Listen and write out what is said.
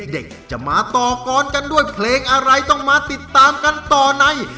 เด็กจะมาต่อกรกันด้วยเพลงอะไรต้องมาติดตามกันต่อใน